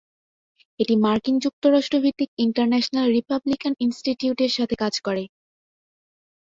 এটি মার্কিন যুক্তরাষ্ট্র ভিত্তিক ইন্টারন্যাশনাল রিপাবলিকান ইনস্টিটিউটের সাথে কাজ করে।